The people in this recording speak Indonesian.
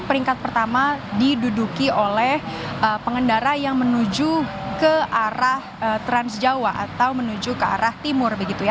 peringkat pertama diduduki oleh pengendara yang menuju ke arah transjawa atau menuju ke arah timur begitu ya